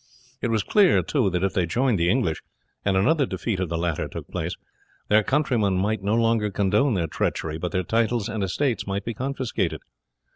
It was clear, too, that if they joined the English, and another defeat of the latter took place, their countrymen might no longer condone their treachery, but their titles and estates might be confiscated.